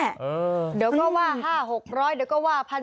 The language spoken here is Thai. เดี๋ยวก็ว่า๕๖๐๐เดี๋ยวก็ว่า๑๐๐